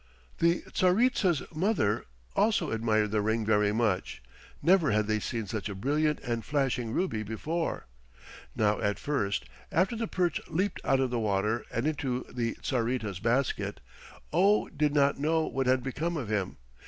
The Tsaritsa's mother also admired the ring very much. Never had they seen such a brilliant and flashing ruby before. Now at first, after the perch leaped out of the river and into the Tsaritsa's basket, Oh did not know what had become of him.